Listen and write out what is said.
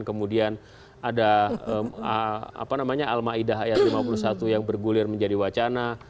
kemudian ada apa namanya alma ida lima puluh satu yang bergulir menjadi wacana